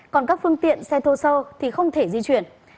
còn các phương tiện xe thô sơ thì không thể di chuyển